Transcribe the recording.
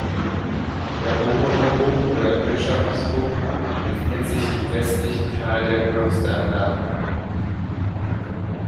Der obere Hof oder Wirtschaftshof befindet sich im westlichen Teil der Klosteranlage.